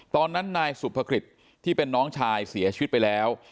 ตอนนั้นนายสุภกฤษที่เป็นน้องชายเสียชีวิตไปแล้ว